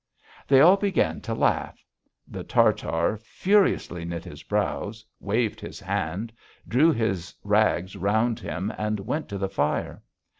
They all began to laugh: the Tartar furiously knit his brows, waved his hand, drew his rags round him and went to the fire.